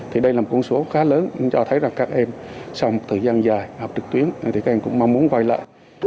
thì đây là một con số khá lớn cho thấy là các em sau một thời gian dài học trực tuyến thì các em cũng mong muốn quay lại